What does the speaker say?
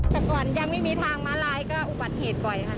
แต่ก่อนยังไม่มีทางม้าลายก็อุบัติเหตุบ่อยค่ะ